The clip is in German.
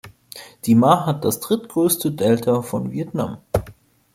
Die Ma hat das drittgrößte Delta von Vietnam.